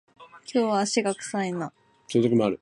今日は足が臭いな